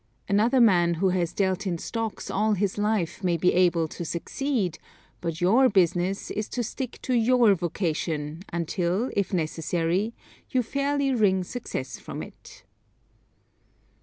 Another man who has dealt in stocks all his life may be able to succeed, but your business is to stick to your vocation until, if necessary, you fairly wring success from it.